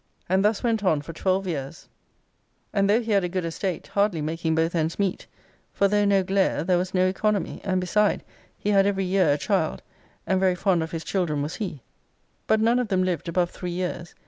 And thus went on for twelve years, and, though he had a good estate, hardly making both ends meet; for though no glare, there was no economy; and, beside, he had ever year a child, and very fond of his children was he. But none of them lived above three years.